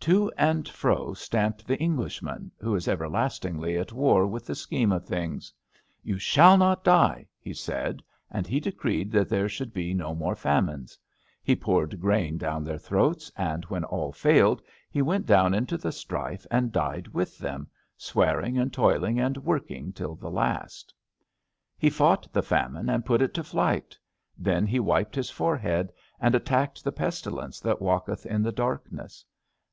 To and fro stamped the Englishman, who is everlastingly at war with the scheme of things. ^^ You shall not die,'' he said, and he decreed that there should be no more famines. He poured grain down their throats, and when all failed he went down into the strife and died with them, swearing, and toiling, and working till the last. NEW BROOMS 87 He fought the famine and put it to flight. Then he wiped his forehead, and attacked the pestilence that walketh in the darkness.